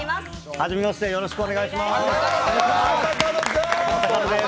はじめましてよろしくお願いします。